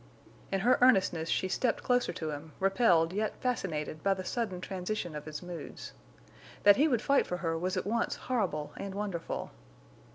In her earnestness she stepped closer to him, repelled yet fascinated by the sudden transition of his moods. That he would fight for her was at once horrible and wonderful.